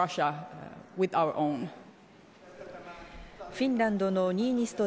フィンランドのニーニスト